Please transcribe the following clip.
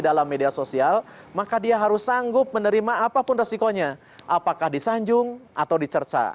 dalam media sosial maka dia harus sanggup menerima apapun resikonya apakah disanjung atau dicerca